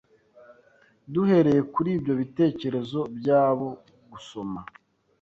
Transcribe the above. Duhereye kuri ibyo bitekerezo byabo gusoma